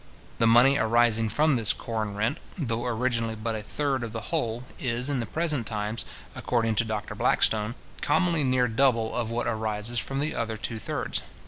The money arising from this corn rent, though originally but a third of the whole, is, in the present times, according to Dr. Blackstone, commonly near double of what arises from the other two thirds.